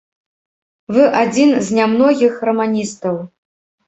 Вы адзін з нямногіх раманістаў.